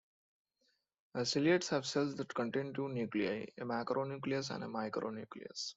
Ciliates have cells that contain two nuclei: a macronucleus and a micronucleus.